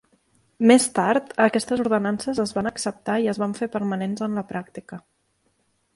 Més tard, aquestes ordenances es van acceptar i es van fer permanents en la pràctica.